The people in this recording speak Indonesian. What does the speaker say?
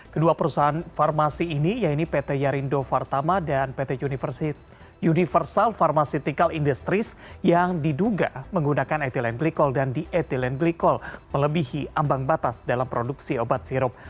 kedua perusahaan farmasi ini pt yarindo vartama dan pt universit universal pharmaceutical industries yang diduga menggunakan ethylene glycol dan di ethylene glycol melebihi ambang batas dalam produksi obat sirup